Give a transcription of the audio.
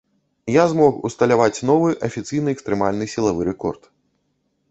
Я змог усталяваць новы афіцыйны экстрэмальны сілавы рэкорд.